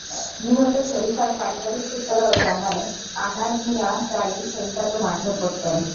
নিহত শরীফার পারিবারিক সূত্র জানায়, আনার মিয়া প্রায়ই শরীফাকে মারধর করতেন।